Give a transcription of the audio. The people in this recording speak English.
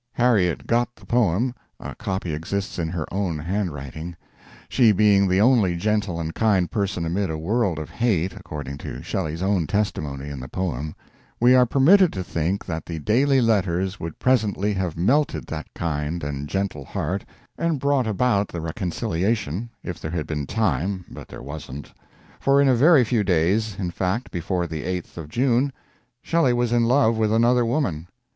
Harriet got the poem a copy exists in her own handwriting; she being the only gentle and kind person amid a world of hate, according to Shelley's own testimony in the poem, we are permitted to think that the daily letters would presently have melted that kind and gentle heart and brought about the reconciliation, if there had been time but there wasn't; for in a very few days in fact, before the 8th of June Shelley was in love with another woman.